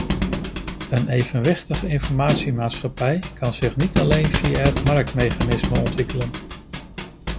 Een evenwichtige informatiemaatschappij kan zich niet alleen via het marktmechanisme ontwikkelen.